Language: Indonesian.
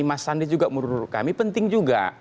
mas sandi juga menurut kami penting juga